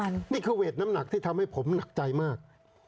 นี่คือเวทน้ำหนักที่ทำให้ผมหนักใจมาก